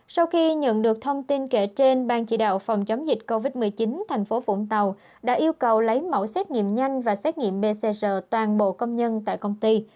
sau khi nhận được thông tin kể trên ban chỉ đạo phòng chống dịch covid một mươi chín thành phố vũng tàu đã yêu cầu lấy mẫu xét nghiệm nhanh và xét nghiệm pcr toàn bộ công nhân tại công ty